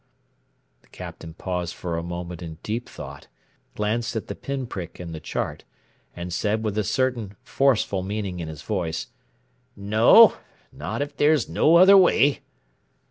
The Captain paused for a moment in deep thought, glanced at the pin prick in the chart, and said with a certain forceful meaning in his voice: "No not if there's no other way."